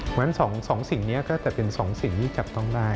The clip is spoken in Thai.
เพราะฉะนั้น๒สิ่งนี้ก็จะเป็น๒สิ่งที่จับต้องได้